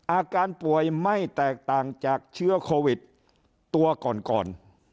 อาการป่วยไม่แตกต่างจากเชื้อโควิดตัวก่อนก่อน